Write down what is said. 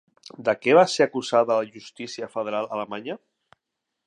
De què va ser acusada la justícia federal alemanya?